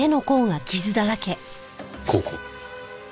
ここ。